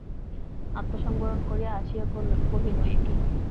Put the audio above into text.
আত্মসংবরণ করিয়া হাসিয়া কহিল, এ কী!